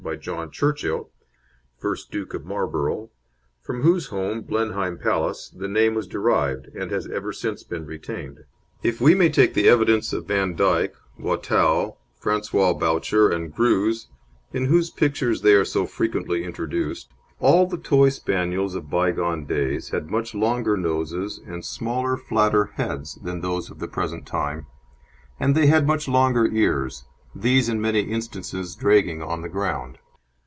by John Churchill, first Duke of Marlborough, from whose home, Blenheim Palace, the name was derived, and has ever since been retained. If we may take the evidence of Vandyck, Watteau, Francois Boucher, and Greuze, in whose pictures they are so frequently introduced, all the toy Spaniels of bygone days had much longer noses and smaller, flatter heads than those of the present time, and they had much longer ears, these in many instances dragging on the ground.